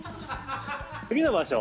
次の場所？